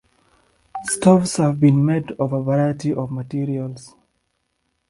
Stoves have been made of a variety of materials.